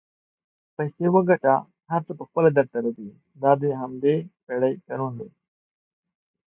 پیسې وګټه هر څه پخپله درته راځي دا د همدې پیړۍ قانون دئ